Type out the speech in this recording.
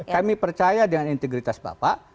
kami percaya dengan integritas bapak